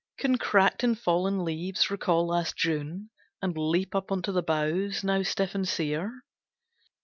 Can cracked and fallen leaves recall last June And leap up on the boughs, now stiff and sere?